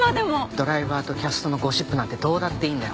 ドライバーとキャストのゴシップなんてどうだっていいんだよ。